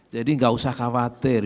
jadi enggak usah khawatir